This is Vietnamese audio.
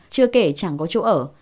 chưa kể chẳng có chỗ ở